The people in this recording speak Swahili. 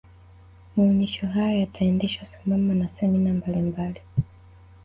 maonyesho hayo yataendeshwa sambamba na semina mbalimbali